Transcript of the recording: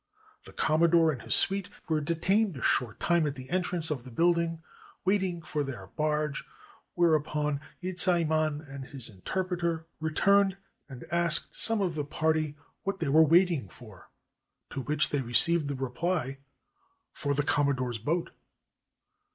The Commodore and his suite were detained a short time at the entrance of the building waiting for their barge, whereupon Yezaiman and his interpreter returned and asked some of the party what they were waiting for; to which they received the reply, ''For the Com modore's boat."